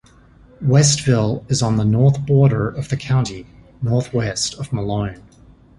Westville is on the north border of the county, northwest of Malone.